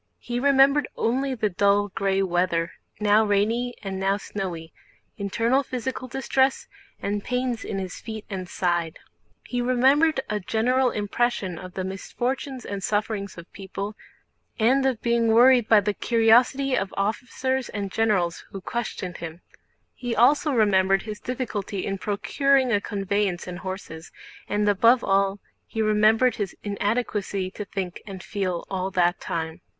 He remembered only the dull gray weather now rainy and now snowy, internal physical distress, and pains in his feet and side. He remembered a general impression of the misfortunes and sufferings of people and of being worried by the curiosity of officers and generals who questioned him, he also remembered his difficulty in procuring a conveyance and horses, and above all he remembered his incapacity to think and feel all that time.